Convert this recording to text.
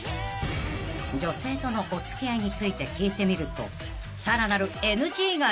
［女性とのお付き合いについて聞いてみるとさらなるＮＧが連発］